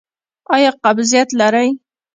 ایا قبضیت لرئ؟